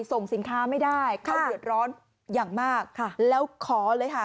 ส่งสินค้าไม่ได้เขาเดือดร้อนอย่างมากค่ะแล้วขอเลยค่ะ